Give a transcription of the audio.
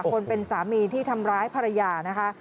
คนเป็นสามีที่ทำร้ายภรรยานะคะ